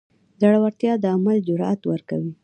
زړورتیا د عمل جرئت ورکوي.